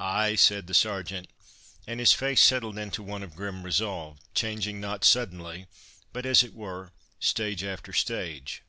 "Ay!" said the Sergeant, and his face settled into one of grim resolve, changing not suddenly, but, as it were, stage after stage.